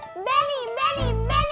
beni beni beni